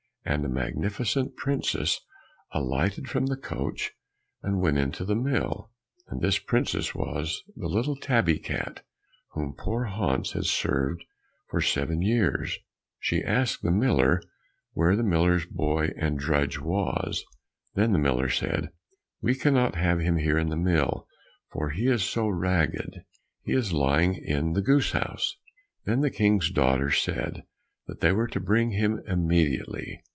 And a magnificent princess alighted from the coach and went into the mill, and this princess was the little tabby cat whom poor Hans had served for seven years. She asked the miller where the miller's boy and drudge was? Then the miller said, "We cannot have him here in the mill, for he is so ragged; he is lying in the goose house." Then the King's daughter said that they were to bring him immediately.